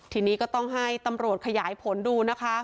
ทีนี้ก็ต้องให้ตำรวจขยายผลดูนะคะ